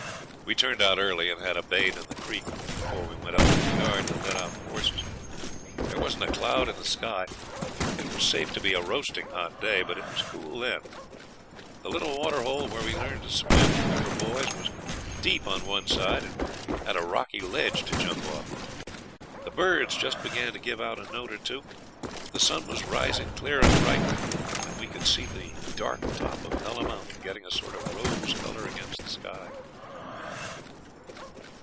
We turned out early, and had a bathe in the creek before we went up to the yard to let out the horses. There wasn't a cloud in the sky; it was safe to be a roasting hot day, but it was cool then. The little waterhole where we learned to swim when we were boys was deep on one side and had a rocky ledge to jump off. The birds just began to give out a note or two; the sun was rising clear and bright, and we could see the dark top of Nulla Mountain getting a sort of rose colour against the sky.